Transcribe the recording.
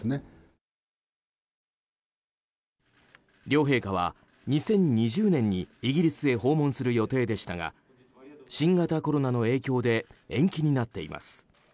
両陛下は２０２０年にイギリスへ訪問する予定でしたが新型コロナの影響で延期になっています。